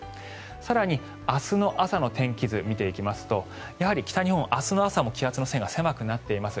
更に、明日の朝の天気図見ていきますとやはり北日本、明日の朝も気圧の線が狭くなっています。